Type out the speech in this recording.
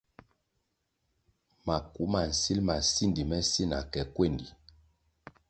Maku ma nsil ma sindi me si na ke kwendi.